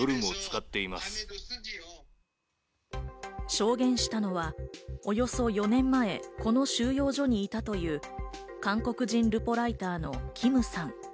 証言したのはおよそ４年前、この収容所にいたという韓国人ルポライターのキムさん。